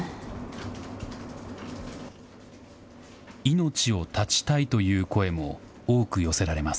命を絶ちたいという声も多く寄せられます。